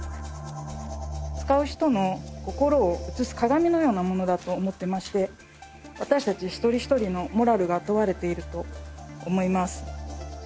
使う人の心を映す鏡のようなものだと思っていまして、私たち一人一人のモラルが問われていると思います。